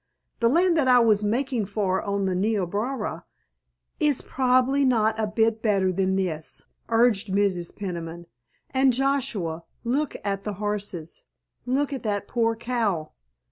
The land that I was making for on the Niobrara——" "—Is probably not a bit better than this," urged Mrs. Peniman. "And, Joshua, look at the horses, look at that poor cow!